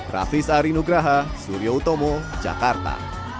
raffis arinugraha surya utomo jakarta